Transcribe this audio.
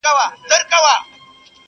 چي عادت وي چا اخیستی په شیدو کي!.